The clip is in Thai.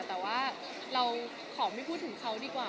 เราขอไม่พูดถึงเขาดีกว่า